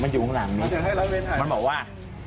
มันอยู่ข้างหลังนี้มันบอกว่า